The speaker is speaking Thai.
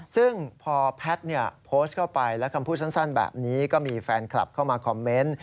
ซึ่งพอแพทย์โพสต์เข้าไปและคำพูดสั้นแบบนี้ก็มีแฟนคลับเข้ามาคอมเมนต์